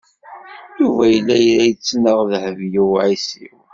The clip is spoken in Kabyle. Yuba yella la yettnaɣ d Dehbiya u Ɛisiw.